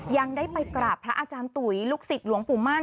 ยังได้ไปกราบพระอาจารย์ตุ๋ยลูกศิษย์หลวงปู่มั่น